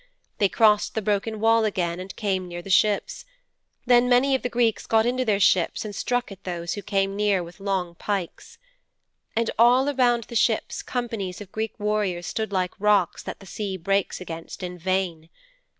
They crossed the broken wall again and came near the ships. Then many of the Greeks got into their ships and struck at those who came near with long pikes.' 'And all around the ships companies of Greek warriors stood like rocks that the sea breaks against in vain.